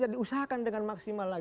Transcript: jadi usahakan dengan maksimal lagi